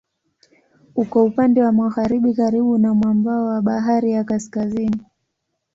Uko upande wa magharibi karibu na mwambao wa Bahari ya Kaskazini.